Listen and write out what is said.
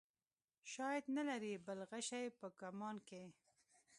شاید نه لرې بل غشی په کمان کې.